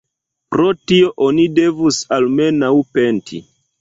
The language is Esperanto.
Pro tio oni devus almenaŭ penti.